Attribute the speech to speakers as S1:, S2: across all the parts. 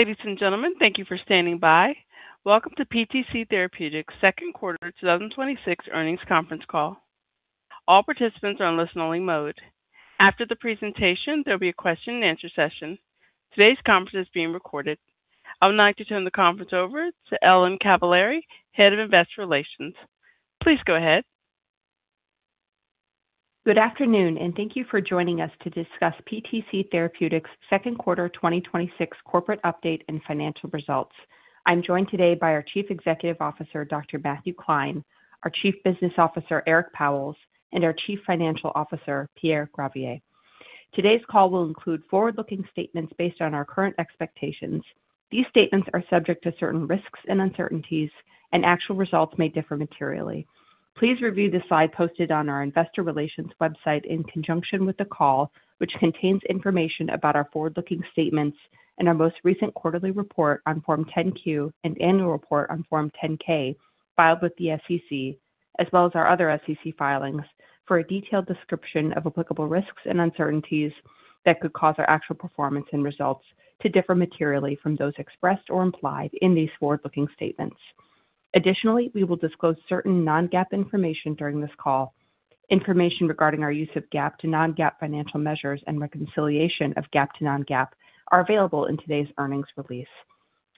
S1: Ladies and gentlemen, thank you for standing by. Welcome to PTC Therapeutics' second quarter 2026 earnings conference call. All participants are on listen-only mode. After the presentation, there'll be a question and answer session. Today's conference is being recorded. I would like to turn the conference over to Ellen Cavaleri, Head of Investor Relations. Please go ahead.
S2: Good afternoon, thank you for joining us to discuss PTC Therapeutics' second quarter 2026 corporate update and financial results. I'm joined today by our Chief Executive Officer, Dr. Matthew Klein, our Chief Business Officer, Eric Pauwels, and our Chief Financial Officer, Pierre Gravier. Today's call will include forward-looking statements based on our current expectations. These statements are subject to certain risks and uncertainties, and actual results may differ materially. Please review the slide posted on our investor relations website in conjunction with the call, which contains information about our forward-looking statements and our most recent quarterly report on Form 10-Q and annual report on Form 10-K filed with the SEC, as well as our other SEC filings for a detailed description of applicable risks and uncertainties that could cause our actual performance and results to differ materially from those expressed or implied in these forward-looking statements. Additionally, we will disclose certain non-GAAP information during this call. Information regarding our use of GAAP to non-GAAP financial measures and reconciliation of GAAP to non-GAAP are available in today's earnings release.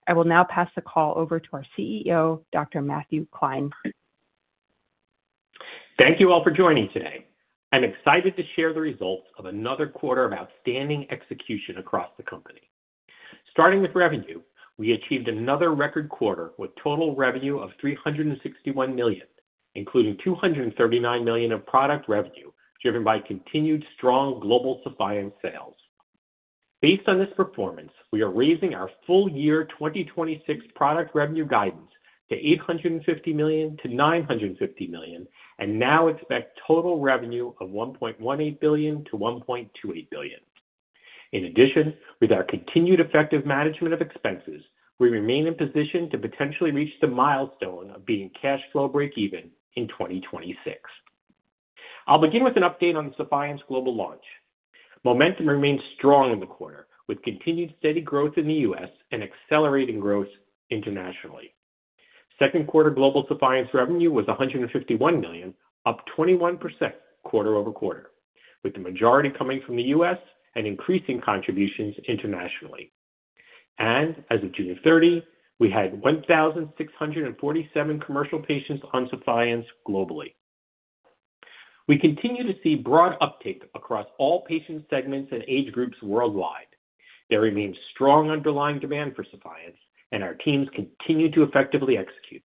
S2: I will now pass the call over to our CEO, Dr. Matthew Klein.
S3: Thank you all for joining today. I'm excited to share the results of another quarter of outstanding execution across the company. Starting with revenue, we achieved another record quarter with total revenue of $361 million, including $239 million of product revenue, driven by continued strong global Sephience sales. Based on this performance, we are raising our full year 2026 product revenue guidance to $850 million-$950 million and now expect total revenue of $1.18 billion-$1.28 billion. In addition, with our continued effective management of expenses, we remain in position to potentially reach the milestone of being cash flow breakeven in 2026. I'll begin with an update on Sephience's global launch. Momentum remains strong in the quarter, with continued steady growth in the U.S. and accelerating growth internationally. Second quarter global Sephience revenue was $151 million, up 21% quarter-over-quarter, with the majority coming from the U.S. and increasing contributions internationally. As of June 30, we had 1,647 commercial patients on Sephience globally. We continue to see broad uptake across all patient segments and age groups worldwide. There remains strong underlying demand for Sephience, and our teams continue to effectively execute.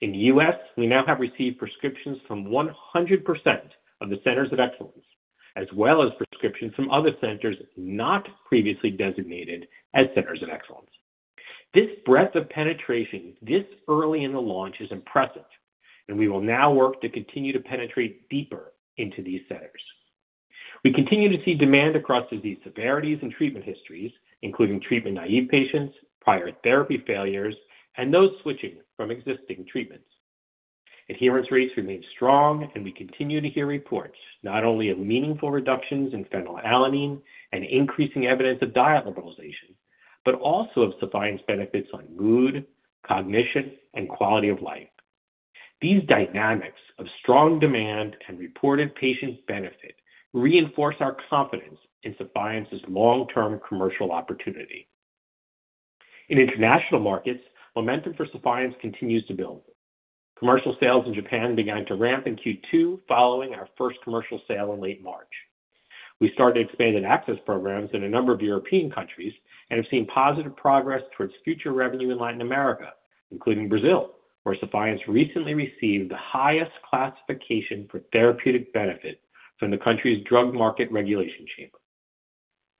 S3: In the U.S., we now have received prescriptions from 100% of the centers of excellence, as well as prescriptions from other centers not previously designated as centers of excellence. This breadth of penetration this early in the launch is impressive, we will now work to continue to penetrate deeper into these centers. We continue to see demand across disease severities and treatment histories, including treatment-naive patients, prior therapy failures, and those switching from existing treatments. Adherence rates remain strong, we continue to hear reports not only of meaningful reductions in phenylalanine and increasing evidence of diet liberalization, but also of Sephience's benefits on mood, cognition, and quality of life. These dynamics of strong demand and reported patient benefit reinforce our confidence in Sephience's long-term commercial opportunity. In international markets, momentum for Sephience continues to build. Commercial sales in Japan began to ramp in Q2 following our first commercial sale in late March. We started expanded access programs in a number of European countries and have seen positive progress towards future revenue in Latin America, including Brazil, where Sephience recently received the highest classification for therapeutic benefit from the country's Drug Market Regulation Chamber.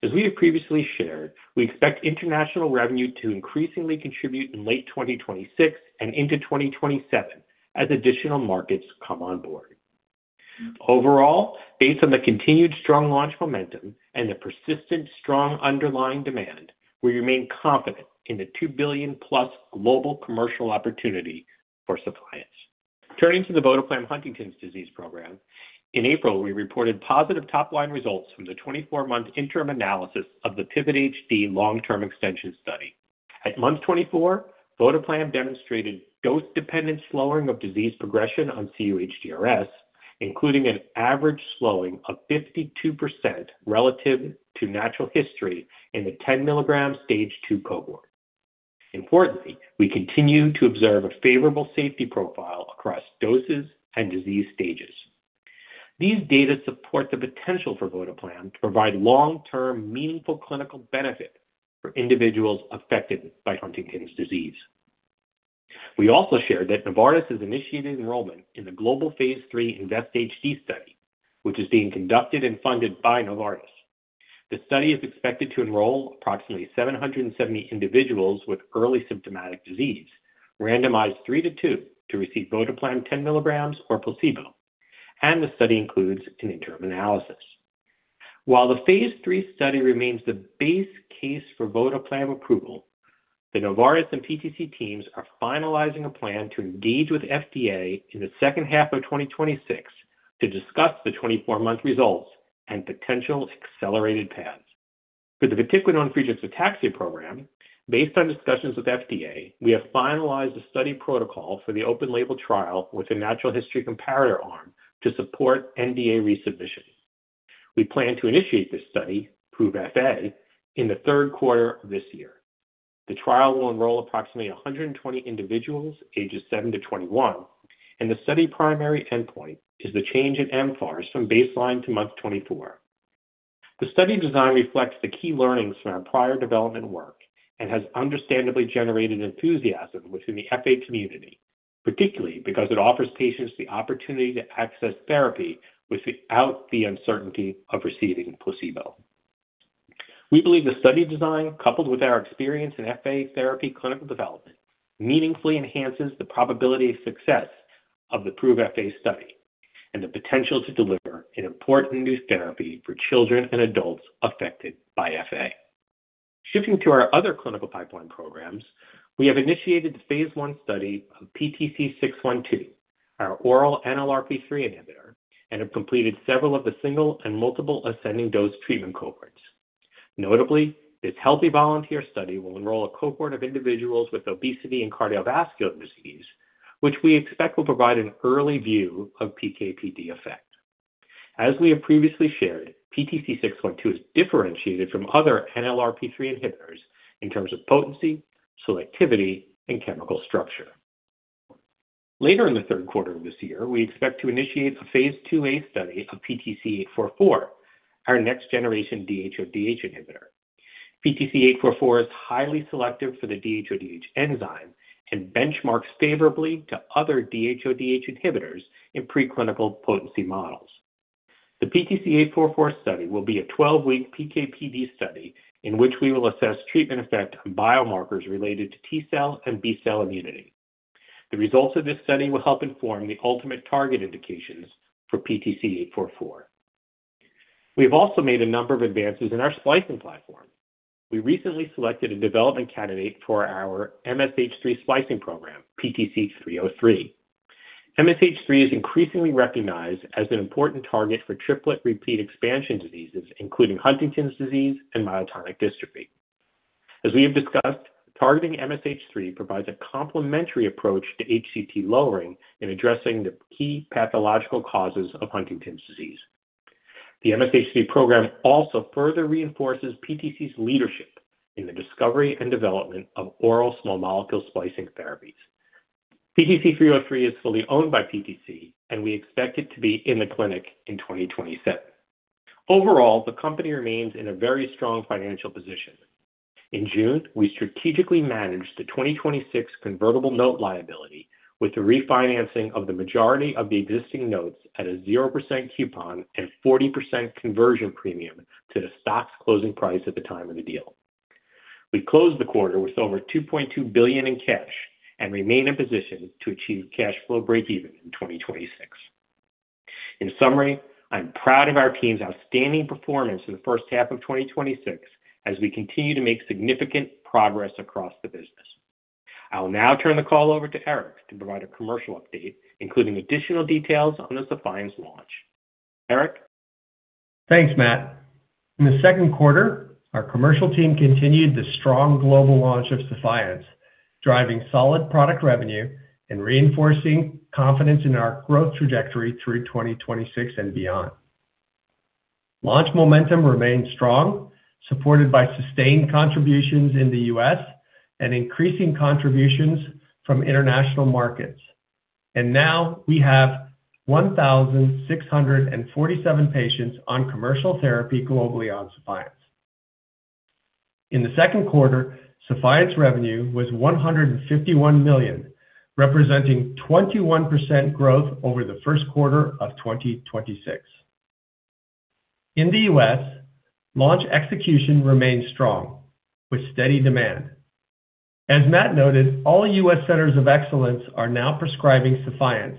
S3: As we have previously shared, we expect international revenue to increasingly contribute in late 2026 and into 2027 as additional markets come on board. Based on the continued strong launch momentum and the persistent strong underlying demand, we remain confident in the $2 billion-plus global commercial opportunity for Sephience. Turning to the votoplam Huntington's disease program, in April, we reported positive top-line results from the 24-month interim analysis of the PIVOT-HD long-term extension study. At month 24, votoplam demonstrated dose-dependent slowing of disease progression on cUHDRS, including an average slowing of 52% relative to natural history in the 10 milligrams stage 2 cohort. We continue to observe a favorable safety profile across doses and disease stages. These data support the potential for votoplam to provide long-term, meaningful clinical benefit for individuals affected by Huntington's disease. We also shared that Novartis has initiated enrollment in the global phase III INVEST-HD study, which is being conducted and funded by Novartis. The study is expected to enroll approximately 770 individuals with early symptomatic disease, randomized 3:2 to receive votoplam 10 mg or placebo, the study includes an interim analysis. While the phase III study remains the base case for votoplam approval, The Novartis and PTC teams are finalizing a plan to engage with FDA in the second half of 2026 to discuss the 24-month results and potential accelerated paths. For the vatiquinone ataxia program, based on discussions with FDA, we have finalized a study protocol for the open-label trial with a natural history comparator arm to support NDA resubmission. We plan to initiate this study, PROVE FA, in the third quarter of this year. The trial will enroll approximately 120 individuals ages 7 to 21, the study primary endpoint is the change in mFARS from baseline to month 24. The study design reflects the key learnings from our prior development work and has understandably generated enthusiasm within the FA community, particularly because it offers patients the opportunity to access therapy without the uncertainty of receiving a placebo. We believe the study design, coupled with our experience in FA therapy clinical development, meaningfully enhances the probability of success of the PROVE FA study and the potential to deliver an important new therapy for children and adults affected by FA. Shifting to our other clinical pipeline programs, we have initiated the phase I study of PTC612, our oral NLRP3 inhibitor, and have completed several of the single and multiple ascending-dose treatment cohorts. Notably, this healthy volunteer study will enroll a cohort of individuals with obesity and cardiovascular disease, which we expect will an early view of PK/PD effect. As we have previously shared, PTC612 is differentiated from other NLRP3 inhibitors in terms of potency, selectivity, and chemical structure. Later in the third quarter of this year, we expect to initiate a phase II-A study of PTC844, our next-generation DHODH inhibitor. PTC844 is highly selective for the DHODH enzyme and benchmarks favorably to other DHODH inhibitors in preclinical potency models. The PTC844 study will be a 12-week PK/PD study in which we will assess treatment effect on biomarkers related to T-cell and B-cell immunity. The results of this study will help inform the ultimate target indications for PTC844. We have also made a number of advances in our splicing platform. We recently selected a development candidate for our MSH3 splicing program, PTC303. MSH3 is increasingly recognized as an important target for triplet repeat expansion diseases, including Huntington's disease and myotonic dystrophy. As we have discussed, targeting MSH3 provides a complementary approach to HTT lowering in addressing the key pathological causes of Huntington's disease. The MSH3 program also further reinforces PTC's leadership in the discovery and development of oral small molecule splicing therapies. We expect it to be in the clinic in 2027. Overall, the company remains in a very strong financial position. In June, we strategically managed the 2026 convertible note liability with the refinancing of the majority of the existing notes at a 0% coupon and 40% conversion premium to the stock's closing price at the time of the deal. We closed the quarter with over $2.2 billion in cash and remain in position to achieve cash flow breakeven in 2026. I'm proud of our team's outstanding performance in the first half of 2026 as we continue to make significant progress across the business. I'll now turn the call over to Eric to provide a commercial update, including additional details on the Sephience launch. Eric?
S4: Thanks, Matt. In the second quarter, our commercial team continued the strong global launch of Sephience, driving solid product revenue and reinforcing confidence in our growth trajectory through 2026 and beyond. Launch momentum remained strong, supported by sustained contributions in the U.S. and increasing contributions from international markets. Now we have 1,647 patients on commercial therapy globally on Sephience. In the second quarter, Sephience revenue was $151 million, representing 21% growth over the first quarter of 2026. In the U.S., launch execution remained strong, with steady demand. As Matt noted, all U.S. centers of excellence are now prescribing Sephience,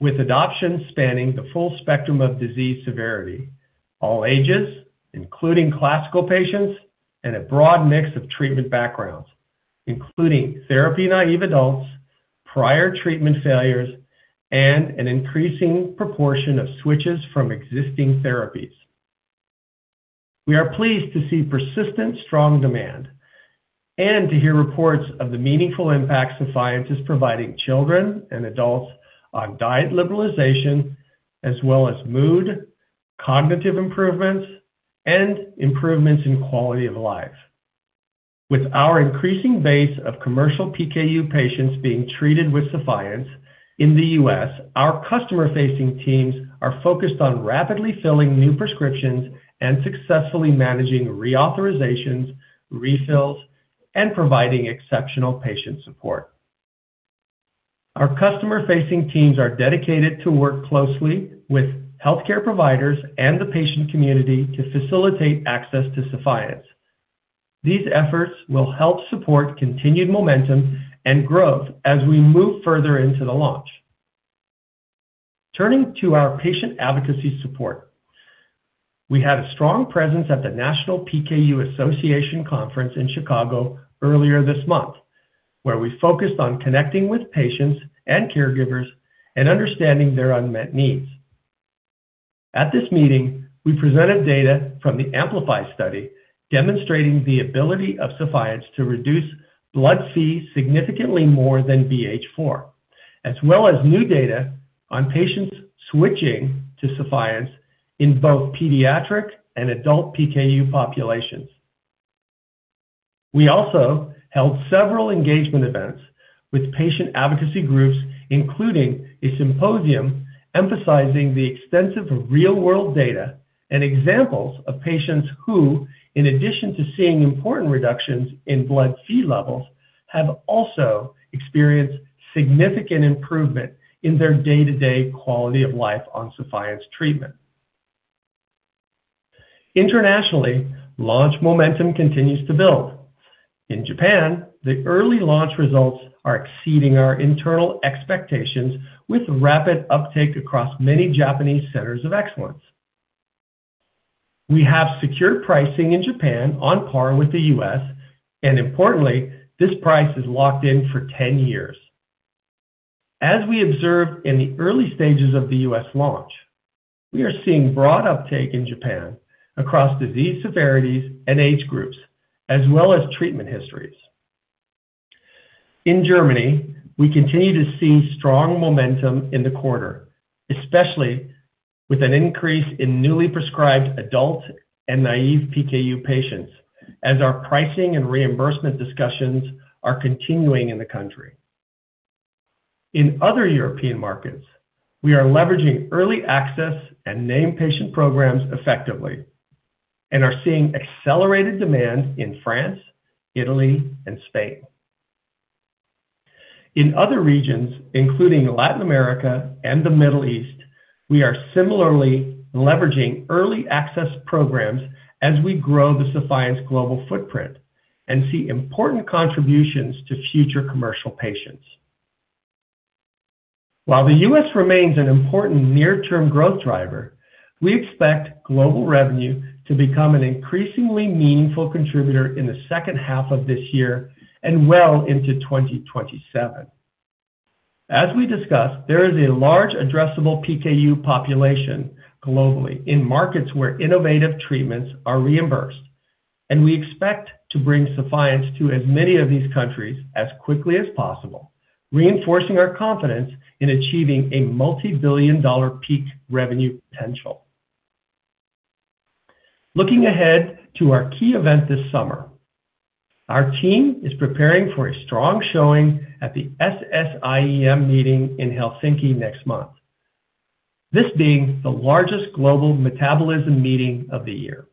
S4: with adoption spanning the full spectrum of disease severity, all ages, including classical patients, and a broad mix of treatment backgrounds, including therapy-naive adults, prior treatment failures, and an increasing proportion of switches from existing therapies. We are pleased to see persistent strong demand and to hear reports of the meaningful impact Sephience is providing children and adults on diet liberalization, as well as mood, cognitive improvements, and improvements in quality of life. With our increasing base of commercial PKU patients being treated with Sephience in the U.S., our customer-facing teams are focused on rapidly filling new prescriptions and successfully managing reauthorizations, refills, and providing exceptional patient support. Our customer-facing teams are dedicated to work closely with healthcare providers and the patient community to facilitate access to Sephience. These efforts will help support continued momentum and growth as we move further into the launch. Turning to our patient advocacy support, we had a strong presence at the National PKU Alliance Conference in Chicago earlier this month, where we focused on connecting with patients and caregivers and understanding their unmet needs. At this meeting, we presented data from the AMPLIFY study demonstrating the ability of Sephience to reduce blood Phe significantly more than BH4, as well as new data on patients switching to Sephience in both pediatric and adult PKU populations. We also held several engagement events with patient advocacy groups, including a symposium emphasizing the extensive real-world data and examples of patients who, in addition to seeing important reductions in blood Phe levels, have also experienced significant improvement in their day-to-day quality of life on Sephience treatment. Internationally, launch momentum continues to build. In Japan, the early launch results are exceeding our internal expectations, with rapid uptake across many Japanese centers of excellence. We have secured pricing in Japan on par with the U.S., and importantly, this price is locked in for 10 years. As we observed in the early stages of the U.S. launch, we are seeing broad uptake in Japan across disease severities and age groups, as well as treatment histories. In Germany, we continue to see strong momentum in the quarter, especially with an increase in newly prescribed adult and naive PKU patients, as our pricing and reimbursement discussions are continuing in the country. In other European markets, we are leveraging early access and named patient programs effectively and are seeing accelerated demand in France, Italy, and Spain. In other regions, including Latin America and the Middle East, we are similarly leveraging early access programs as we grow the Sephience global footprint and see important contributions to future commercial patients. While the U.S. remains an important near-term growth driver, we expect global revenue to become an increasingly meaningful contributor in the second half of this year and well into 2027. As we discussed, there is a large addressable PKU population globally in markets where innovative treatments are reimbursed, we expect to bring Sephience to as many of these countries as quickly as possible, reinforcing our confidence in achieving a multi-billion dollar peak revenue potential. Looking ahead to our key event this summer, our team is preparing for a strong showing at the SSIEM meeting in Helsinki next month. This being the largest global metabolism meeting of the year.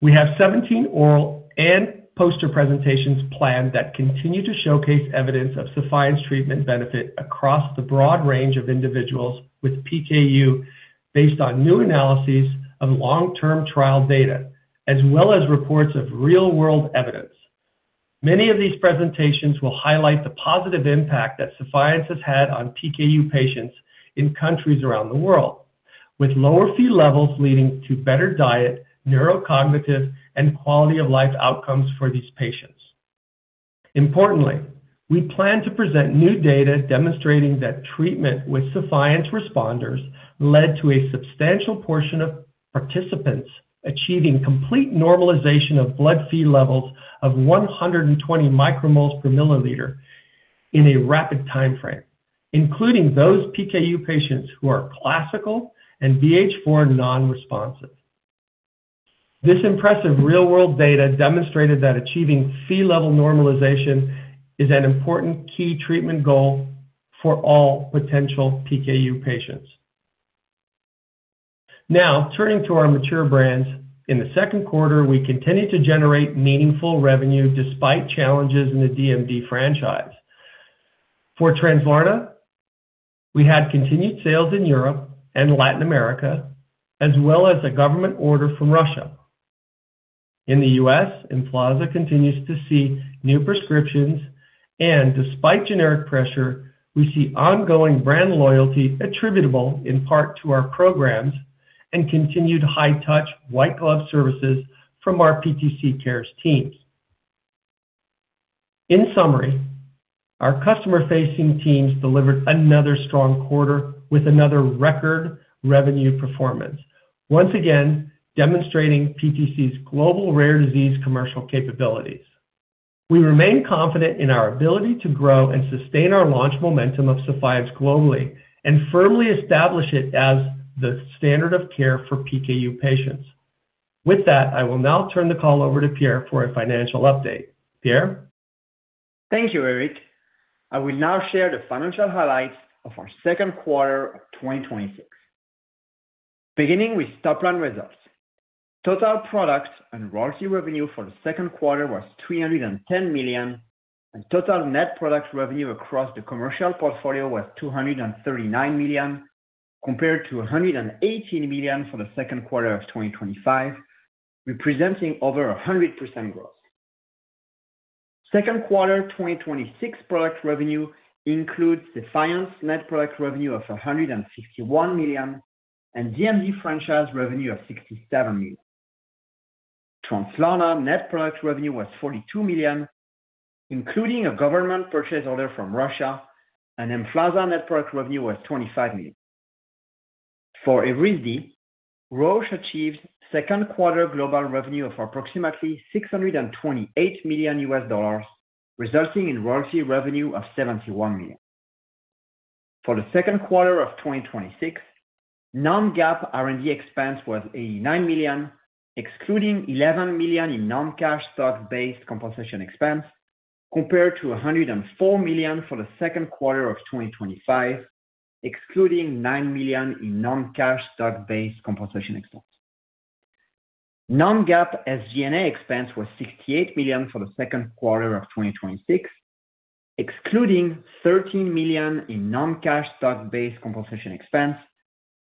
S4: We have 17 oral and poster presentations planned that continue to showcase evidence of Sephience treatment benefit across the broad range of individuals with PKU based on new analyses of long-term trial data, as well as reports of real-world evidence. Many of these presentations will highlight the positive impact that Sephience has had on PKU patients in countries around the world, with lower Phe levels leading to better diet, neurocognitive, and quality of life outcomes for these patients. Importantly, we plan to present new data demonstrating that treatment with Sephience responders led to a substantial portion of participants achieving complete normalization of blood Phe levels of 120 micromoles per milliliter in a rapid time frame, including those PKU patients who are classical and BH4 non-responsive. This impressive real-world data demonstrated that achieving Phe level normalization is an important key treatment goal for all potential PKU patients. Turning to our mature brands. In the second quarter, we continued to generate meaningful revenue despite challenges in the DMD franchise. For Translarna, we had continued sales in Europe and Latin America, as well as a government order from Russia. In the U.S., Emflaza continues to see new prescriptions. Despite generic pressure, we see ongoing brand loyalty attributable in part to our programs and continued high-touch white glove services from our PTC Cares teams. In summary, our customer-facing teams delivered another strong quarter with another record revenue performance, once again demonstrating PTC's global rare disease commercial capabilities. We remain confident in our ability to grow and sustain our launch momentum of Sephience globally and firmly establish it as the standard of care for PKU patients. With that, I will now turn the call over to Pierre for a financial update. Pierre?
S5: Thank you, Eric. I will now share the financial highlights of our second quarter of 2026. Beginning with top-line results. Total products and royalty revenue for the second quarter was $310 million. Total net product revenue across the commercial portfolio was $239 million, compared to $118 million for the second quarter of 2025, representing over 100% growth. Second quarter 2026 product revenue includes Sephience net product revenue of $161 million. DMD franchise revenue of $67 million. Translarna net product revenue was $42 million, including a government purchase order from Russia. Emflaza net product revenue was $25 million. For Evrysdi, Roche achieved second quarter global revenue of approximately $628 million, resulting in royalty revenue of $71 million. For the second quarter of 2026, non-GAAP R&D expense was $89 million, excluding $11 million in non-cash stock-based compensation expense, compared to $104 million for the second quarter of 2025, excluding $9 million in non-cash stock-based compensation expense. Non-GAAP SG&A expense was $68 million for the second quarter of 2026, excluding $13 million in non-cash stock-based compensation expense,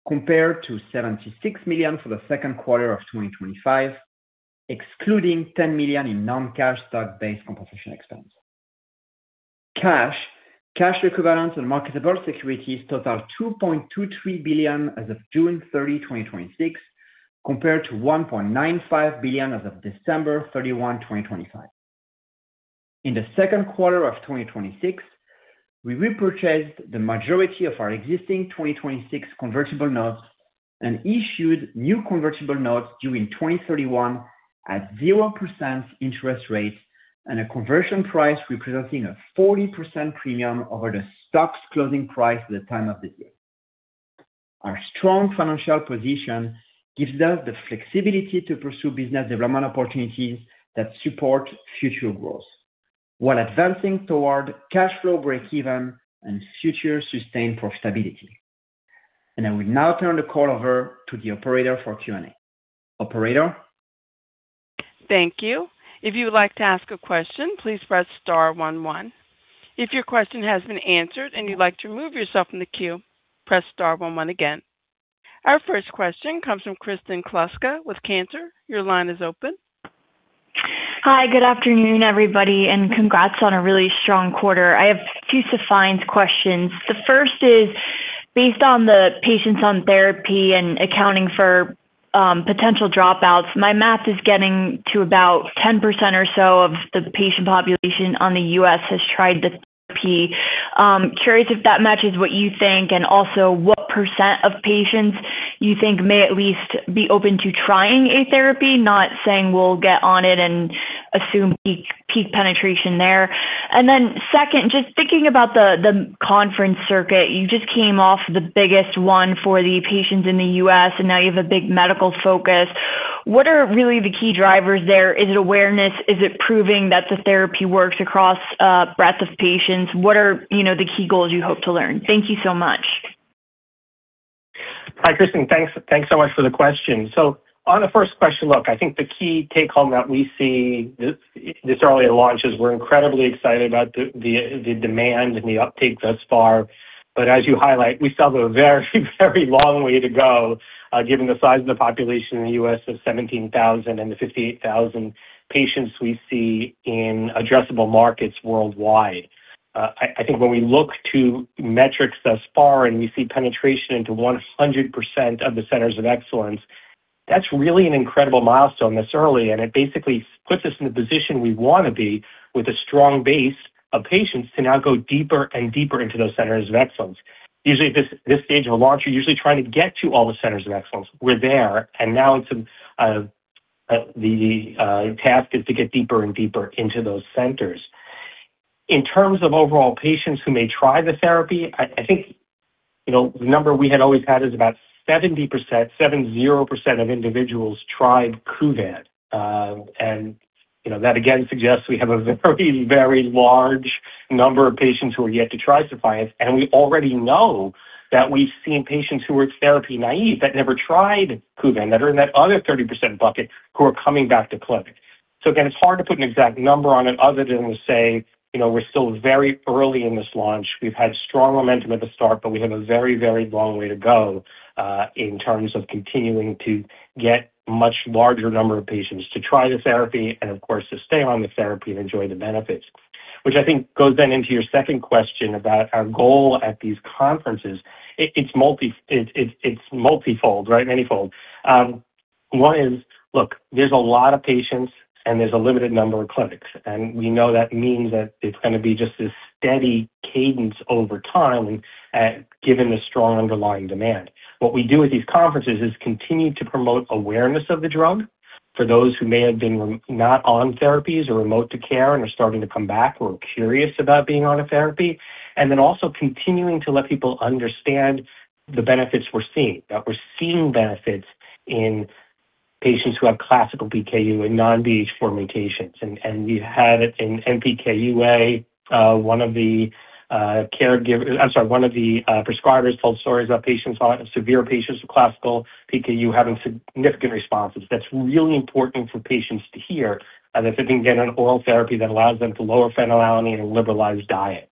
S5: compared to $76 million for the second quarter of 2025, excluding $10 million in non-cash stock-based compensation expense. Cash, cash equivalents, and marketable securities totaled $2.23 billion as of June 30, 2026, compared to $1.95 billion as of December 31, 2025. In the second quarter of 2026, we repurchased the majority of our existing 2026 convertible notes and issued new convertible notes due in 2031 at 0% interest rate and a conversion price representing a 40% premium over the stock's closing price at the time of the issue. Our strong financial position gives us the flexibility to pursue business development opportunities that support future growth while advancing toward cash flow breakeven and future sustained profitability. I will now turn the call over to the operator for Q&A. Operator?
S1: Thank you. If you would like to ask a question, please press star one one. If your question has been answered and you'd like to remove yourself from the queue, press star one one again. Our first question comes from Kristen Kluska with Cantor. Your line is open.
S6: Hi. Good afternoon, everybody, and congrats on a really strong quarter. I have a few Sephience questions. The first is, based on the patients on therapy and accounting for potential dropouts, my math is getting to about 10% or so of the patient population in the U.S. has tried the therapy. Curious if that matches what you think, and also what % of patients you think may at least be open to trying a therapy, not saying we'll get on it and assume peak penetration there. Second, just thinking about the conference circuit, you just came off the biggest one for the patients in the U.S., and now you have a big medical focus. What are really the key drivers there? Is it awareness? Is it proving that the therapy works across a breadth of patients? What are the key goals you hope to learn? Thank you so much.
S3: Hi, Kristen. Thanks so much for the question. On the first question, look, I think the key take-home that we see this early in launch is we're incredibly excited about the demand and the uptake thus far. As you highlight, we still have a very long way to go, given the size of the population in the U.S. of 17,000 and the 58,000 patients we see in addressable markets worldwide. I think when we look to metrics thus far and we see penetration into 100% of the centers of excellence, that's really an incredible milestone this early, and it basically puts us in the position we want to be with a strong base of patients to now go deeper and deeper into those centers of excellence. Usually, at this stage of a launch, you're usually trying to get to all the centers of excellence. We're there, now the task is to get deeper and deeper into those centers. In terms of overall patients who may try the therapy, I think the number we had always had is about 70% of individuals tried KUVAN. That again suggests we have a very large number of patients who are yet to try Sephience. We already know that we've seen patients who are therapy naive, that never tried KUVAN, that are in that other 30% bucket who are coming back to clinic. Again, it's hard to put an exact number on it other than to say we're still very early in this launch. We've had strong momentum at the start, but we have a very long way to go in terms of continuing to get much larger number of patients to try the therapy and, of course, to stay on the therapy and enjoy the benefits. Which I think goes then into your second question about our goal at these conferences. It's multifold, right? Manyfold. One is, look, there's a lot of patients and there's a limited number of clinics, and we know that means that it's going to be just this steady cadence over time given the strong underlying demand. What we do at these conferences is continue to promote awareness of the drug for those who may have been not on therapies or remote to care and are starting to come back or are curious about being on a therapy. Also continuing to let people understand the benefits we're seeing, that we're seeing benefits in patients who have classical PKU and non-BH4 mutations. We've had it in NPKUA. One of the prescribers told stories about severe patients with classical PKU having significant responses. That's really important for patients to hear that they can get an oral therapy that allows them to lower phenylalanine and liberalize diet.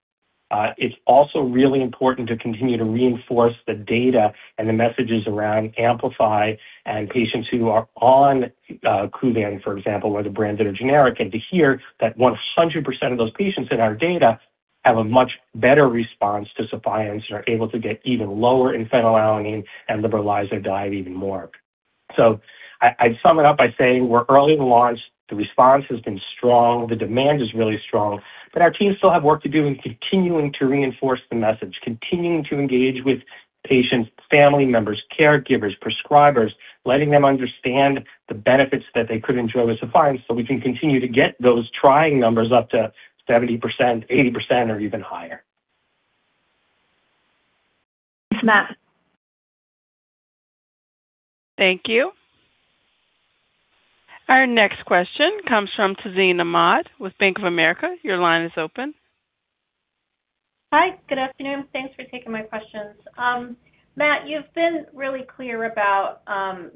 S3: It's also really important to continue to reinforce the data and the messages around AMPLIFY and patients who are on KUVAN, for example, or the brands that are generic, to hear that 100% of those patients in our data have a much better response to Sephience and are able to get even lower phenylalanine and liberalize their diet even more. I'd sum it up by saying we're early in launch. The response has been strong. The demand is really strong, but our teams still have work to do in continuing to reinforce the message, continuing to engage with patients, family members, caregivers, prescribers, letting them understand the benefits that they could enjoy with Sephience so we can continue to get those trying numbers up to 70%, 80%, or even higher.
S6: Thanks, Matt.
S1: Thank you. Our next question comes from Tazeen Ahmad with Bank of America. Your line is open.
S7: Hi, good afternoon. Thanks for taking my questions. Matt, you've been really clear about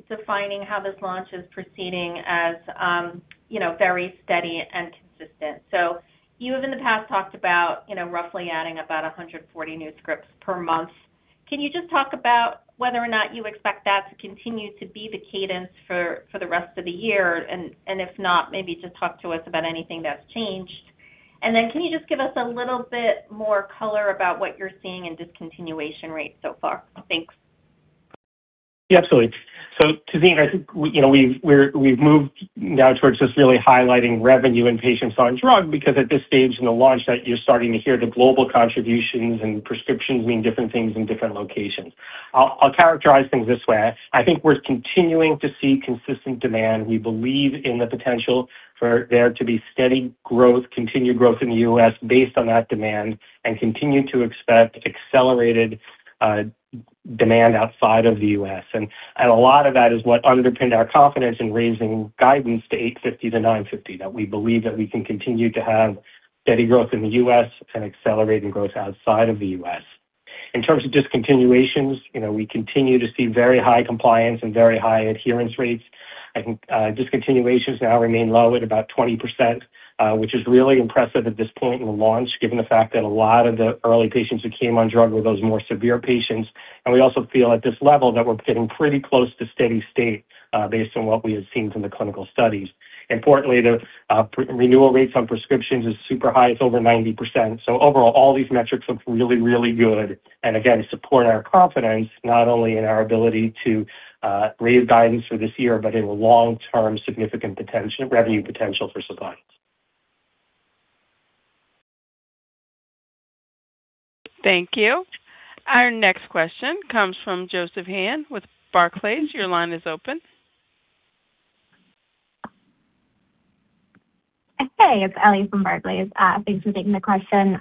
S7: defining how this launch is proceeding as very steady and consistent. You have in the past talked about roughly adding about 140 new scripts per month. Can you just talk about whether or not you expect that to continue to be the cadence for the rest of the year? If not, maybe just talk to us about anything that's changed. Then can you just give us a little bit more color about what you're seeing in discontinuation rates so far? Thanks.
S3: Yeah, absolutely. Tazeen, I think we've moved now towards just really highlighting revenue in patients on drug, because at this stage in the launch that you're starting to hear the global contributions and prescriptions mean different things in different locations. I'll characterize things this way. I think we're continuing to see consistent demand. We believe in the potential for there to be steady growth, continued growth in the U.S. based on that demand, and continue to expect accelerated demand outside of the U.S. A lot of that is what underpinned our confidence in raising guidance to $850-$950, that we believe that we can continue to have steady growth in the U.S. and accelerating growth outside of the U.S. In terms of discontinuations, we continue to see very high compliance and very high adherence rates. I think discontinuations now remain low at about 20%, which is really impressive at this point in the launch given the fact that a lot of the early patients who came on drug were those more severe patients. We also feel at this level that we're getting pretty close to steady state based on what we have seen from the clinical studies. Importantly, the renewal rates on prescriptions is super high. It's over 90%. Overall, all these metrics look really, really good and again, support our confidence not only in our ability to raise guidance for this year, but in long-term significant revenue potential for Sephience.
S1: Thank you. Our next question comes from Joseph Han with Barclays. Your line is open.
S8: Hey, it's Ellie from Barclays. Thanks for taking the question.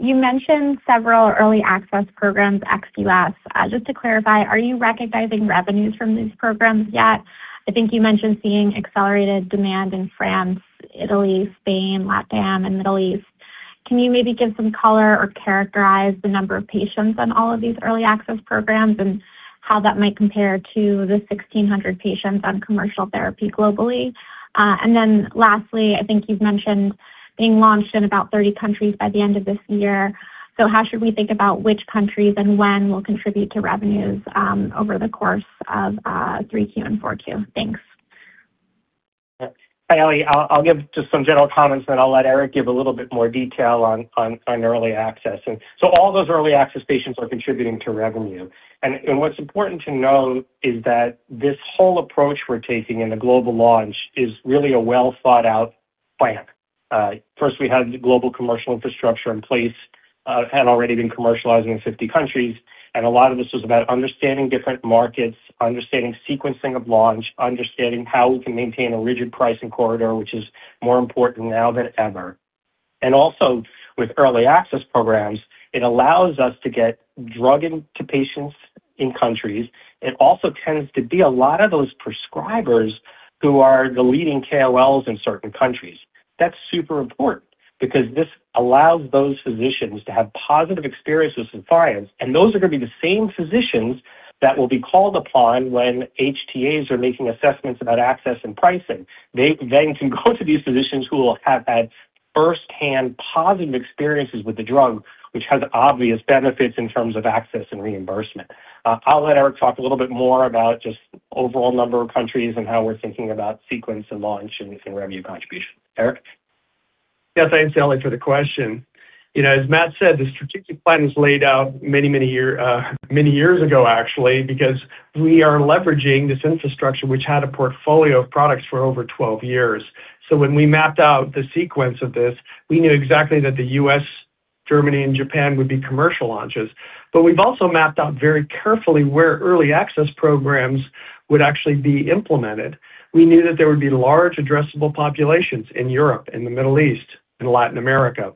S8: You mentioned several early access programs ex-U.S. Just to clarify, are you recognizing revenues from these programs yet? I think you mentioned seeing accelerated demand in France, Italy, Spain, LATAM, and Middle East. Can you maybe give some color or characterize the number of patients on all of these early access programs and how that might compare to the 1,600 patients on commercial therapy globally? Lastly, I think you've mentioned being launched in about 30 countries by the end of this year. How should we think about which countries and when will contribute to revenues over the course of Q3 and Q4? Thanks.
S3: Hi, Ellie. I'll give just some general comments, then I'll let Eric give a little bit more detail on early access. All those early access patients are contributing to revenue. What's important to note is that this whole approach we're taking in the global launch is really a well-thought-out plan. First, we had global commercial infrastructure in place, had already been commercializing in 50 countries. A lot of this was about understanding different markets, understanding sequencing of launch, understanding how we can maintain a rigid pricing corridor, which is more important now than ever. Also with early access programs, it allows us to get drug into patients in countries. It also tends to be a lot of those prescribers who are the leading KOLs in certain countries. That's super important because this allows those physicians to have positive experiences with Sephience, and those are going to be the same physicians that will be called upon when HTAs are making assessments about access and pricing. They can go to these physicians who will have had firsthand positive experiences with the drug, which has obvious benefits in terms of access and reimbursement. I'll let Eric talk a little bit more about just overall number of countries and how we're thinking about sequence and launch and revenue contribution. Eric?
S4: Yes, thanks, Ellie, for the question. As Matt said, the strategic plan was laid out many years ago actually because we are leveraging this infrastructure which had a portfolio of products for over 12 years. When we mapped out the sequence of this, we knew exactly that the U.S., Germany, and Japan would be commercial launches. We've also mapped out very carefully where early access programs would actually be implemented. We knew that there would be large addressable populations in Europe and the Middle East and Latin America.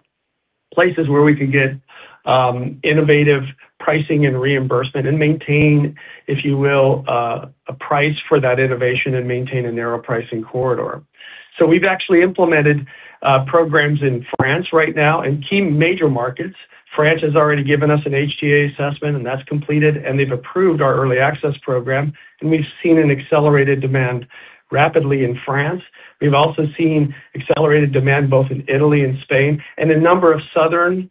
S4: Places where we could get innovative pricing and reimbursement and maintain, if you will price for that innovation and maintain a narrow pricing corridor. We've actually implemented programs in France right now and key major markets. France has already given us an HTA assessment, that's completed, they've approved our early access program, we've seen an accelerated demand rapidly in France. We've also seen accelerated demand both in Italy and Spain and a number of Southern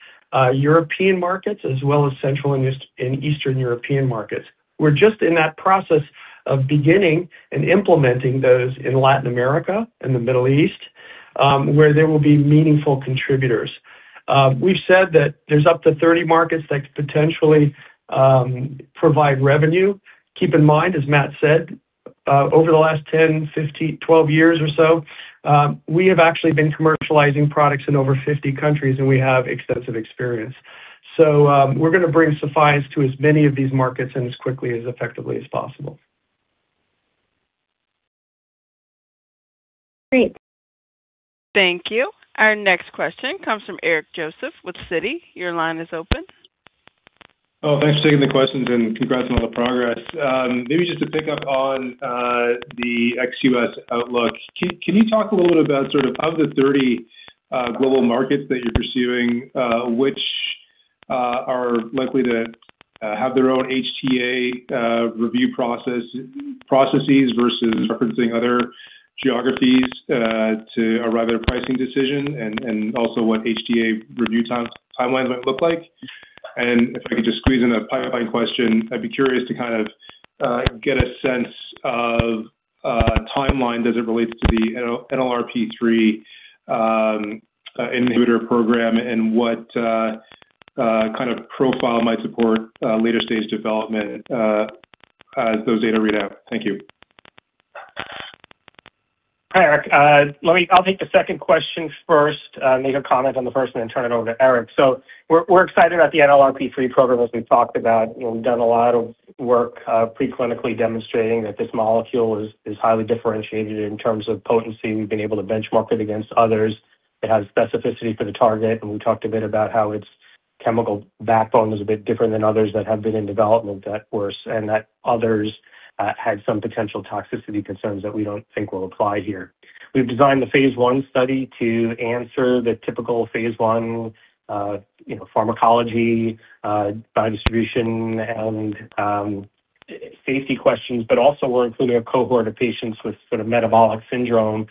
S4: European markets, as well as Central and Eastern European markets. We're just in that process of beginning and implementing those in Latin America and the Middle East, where they will be meaningful contributors. We've said that there's up to 30 markets that could potentially provide revenue. Keep in mind, as Matt said, over the last 10, 15, 12 years or so, we have actually been commercializing products in over 50 countries, we have extensive experience. We're going to bring Sephience to as many of these markets and as quickly as effectively as possible.
S8: Great.
S1: Thank you. Our next question comes from Eric Joseph with Citi. Your line is open.
S9: Thanks for taking the questions, congrats on all the progress. Maybe just to pick up on the ex-U.S. outlook. Can you talk a little bit about of the 30 global markets that you're pursuing, which are likely to have their own HTA review processes versus referencing other geographies to arrive at a pricing decision, also what HTA review timelines might look like? If I could just squeeze in a pipeline question, I'd be curious to get a sense of timeline as it relates to the NLRP3 inhibitor program and what kind of profile might support later-stage development as those data read out. Thank you.
S3: Hi, Eric. I'll take the second question first, make a comment on the first one, turn it over to Eric. We're excited about the NLRP3 program, as we've talked about. We've done a lot of work pre-clinically demonstrating that this molecule is highly differentiated in terms of potency. We've been able to benchmark it against others. It has specificity for the target, we talked a bit about how its chemical backbone is a bit different than others that have been in development that were, others had some potential toxicity concerns that we don't think will apply here. We've designed the phase I study to answer the typical phase I pharmacology, biodistribution, safety questions. Also, we're including a cohort of patients with sort of metabolic syndrome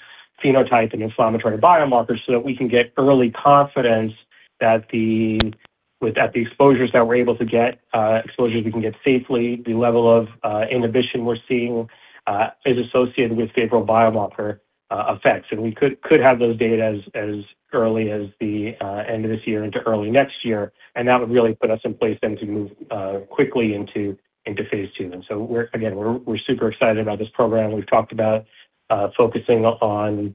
S3: phenotype and inflammatory biomarkers so that we can get early confidence that with the exposures that we're able to get, exposures we can get safely, the level of inhibition we're seeing is associated with favorable biomarker effects. We could have those data as early as the end of this year into early next year, and that would really put us in place then to move quickly into phase II. Again, we're super excited about this program. We've talked about focusing on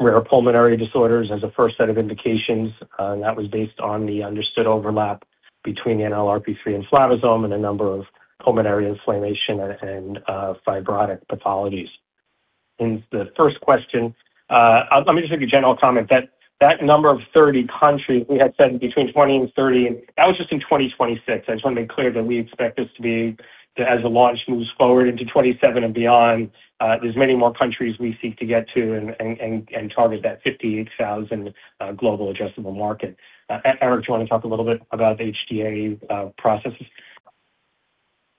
S3: rare pulmonary disorders as a first set of indications. That was based on the understood overlap between NLRP3 inflammasome and a number of pulmonary inflammation and fibrotic pathologies. In the first question, let me just make a general comment that that number of 30 countries, we had said between 20 and 30, and that was just in 2026. I just want to make clear that we expect this to be, as the launch moves forward into 2027 and beyond, there's many more countries we seek to get to and target that 58,000 global adjustable market. Eric, do you want to talk a little bit about HTA processes?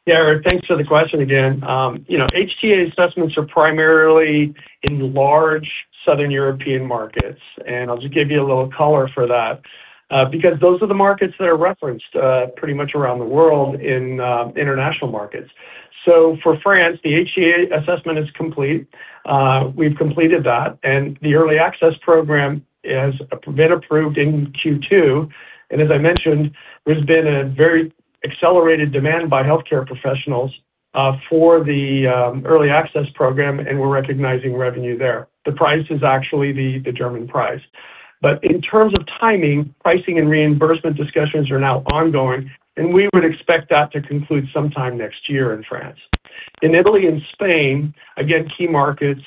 S4: Eric, thanks for the question again. HTA assessments are primarily in large Southern European markets. I'll just give you a little color for that. Those are the markets that are referenced pretty much around the world in international markets. For France, the HTA assessment is complete. We've completed that, and the early access program has been approved in Q2. As I mentioned, there's been a very accelerated demand by healthcare professionals for the early access program, and we're recognizing revenue there. The price is actually the German price. In terms of timing, pricing and reimbursement discussions are now ongoing, and we would expect that to conclude sometime next year in France. In Italy and Spain, again, key markets,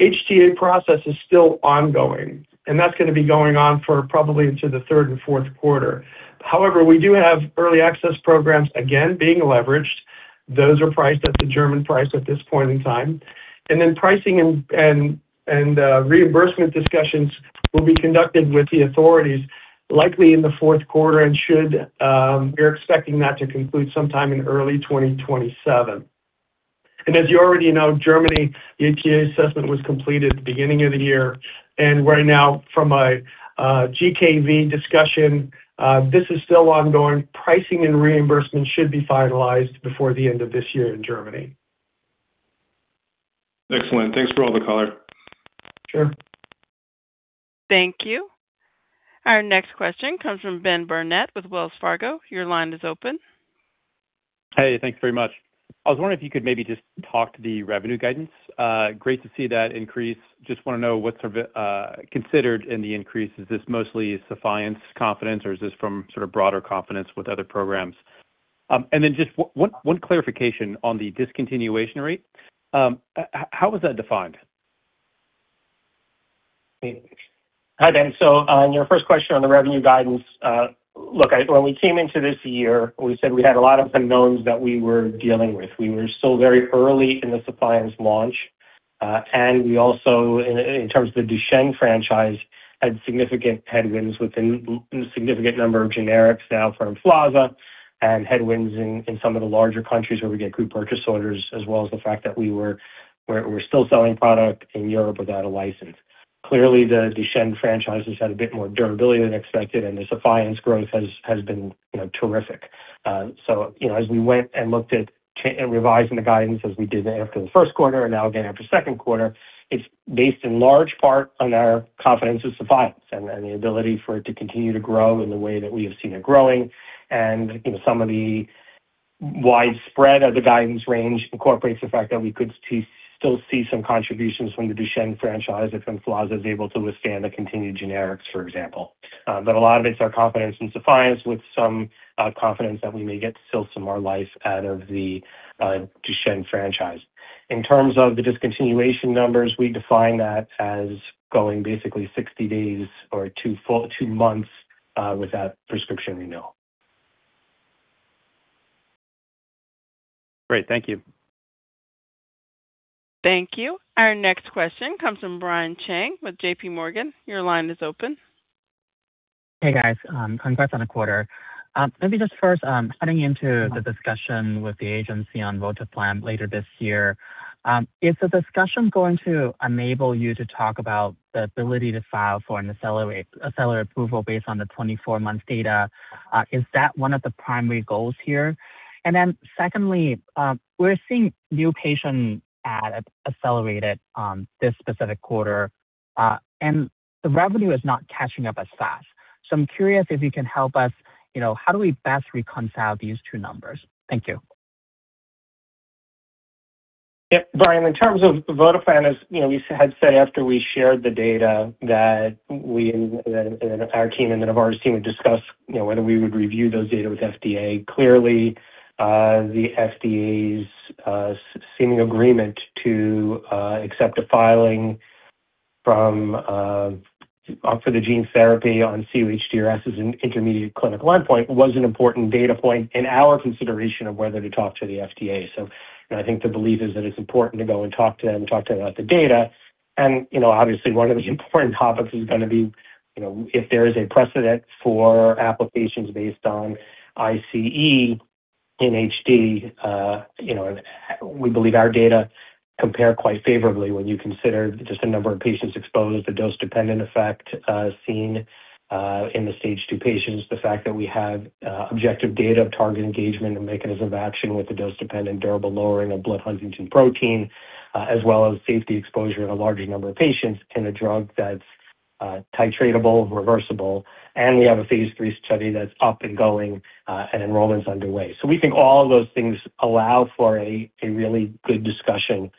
S4: HTA process is still ongoing, and that's going to be going on for probably into the third and fourth quarter. We do have early access programs, again, being leveraged. Those are priced at the German price at this point in time. Then pricing and reimbursement discussions will be conducted with the authorities likely in the fourth quarter, and we're expecting that to conclude sometime in early 2027. As you already know, Germany, the HTA assessment was completed at the beginning of the year. Right now from a GKV discussion, this is still ongoing. Pricing and reimbursement should be finalized before the end of this year in Germany.
S9: Excellent. Thanks for all the color.
S4: Sure.
S1: Thank you. Our next question comes from Ben Burnett with Wells Fargo. Your line is open.
S10: Hey, thanks very much. I was wondering if you could maybe just talk to the revenue guidance. Great to see that increase. Just want to know what's considered in the increase. Is this mostly Sephience confidence, or is this from sort of broader confidence with other programs? And then just one clarification on the discontinuation rate. How was that defined?
S3: Hi, Ben. On your first question on the revenue guidance, look, when we came into this year, we said we had a lot of unknowns that we were dealing with. We were still very early in the Sephience launch. We also, in terms of the Duchenne franchise, had significant headwinds with a significant number of generics now from Emflaza and headwinds in some of the larger countries where we get group purchase orders, as well as the fact that we're still selling product in Europe without a license. Clearly, the Duchenne franchise has had a bit more durability than expected, and the Sephience growth has been terrific. As we went and looked at revising the guidance as we did after the first quarter and now again after the second quarter, it's based in large part on our confidence with Sephience and the ability for it to continue to grow in the way that we have seen it growing. Some of the widespread of the guidance range incorporates the fact that we could still see some contributions from the Duchenne franchise if Emflaza is able to withstand the continued generics, for example. A lot of it is our confidence in Sephience with some confidence that we may get still some more life out of the Duchenne franchise. In terms of the discontinuation numbers, we define that as going basically 60 days or two months without prescription renewal.
S10: Great. Thank you.
S1: Thank you. Our next question comes from Brian Cheng with JPMorgan. Your line is open.
S11: Hey, guys. Congrats on the quarter. Maybe just first heading into the discussion with the agency on votoplam later this year, is the discussion going to enable you to talk about the ability to file for an accelerated approval based on the 24-month data? Is that one of the primary goals here? Secondly, we're seeing new patient add accelerated this specific quarter, and the revenue is not catching up as fast. I'm curious if you can help us, how do we best reconcile these two numbers? Thank you.
S3: Yeah. Brian, in terms of votoplam, as we had said after we shared the data that our team and the Novartis team would discuss whether we would review those data with FDA. Clearly, the FDA's seeming agreement to accept a filing for the gene therapy on cUHDRS as an intermediate clinical endpoint was an important data point in our consideration of whether to talk to the FDA. I think the belief is that it's important to go and talk to them, talk to them about the data. Obviously, one of the important topics is going to be if there is a precedent for applications based on ICE in HD. We believe our data compare quite favorably when you consider just the number of patients exposed, the dose-dependent effect seen in the Stage 2 patients, the fact that we have objective data of target engagement and mechanism of action with the dose-dependent durable lowering of blood huntingtin protein, as well as safety exposure in a large number of patients in a drug that's titratable, reversible, and we have a phase III study that's up and going, and enrollment's underway. We think all of those things allow for a really good discussion